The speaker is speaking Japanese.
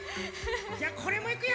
じゃこれもいくよ！